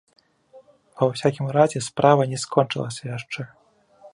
Ва ўсякім разе справа не скончылася яшчэ.